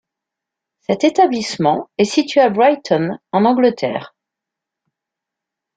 Cet établissement est situé à Brighton, en Angleterre.